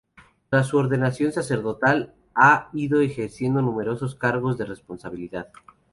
Tras su ordenación sacerdotal ha ido ejerciendo numerosos cargos de responsabilidad.